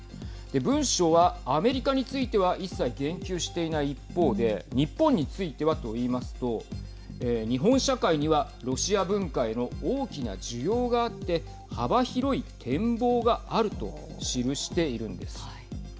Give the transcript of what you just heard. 文書は、アメリカについては一切言及していない一方で日本についてはといいますと日本社会にはロシア文化への大きな需要があって幅広い展望があると記しているんです。